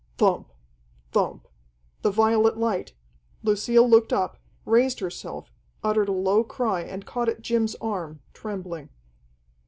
Thump, thump! The violet light! Lucille looked up, raised herself, uttered a low cry and caught at Jim's arm, trembling.